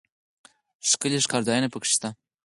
ښکلي ښکارځایونه پکښې شته.